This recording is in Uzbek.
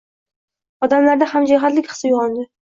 Odamlarda hamjihatlik hissi uyg‘ondi: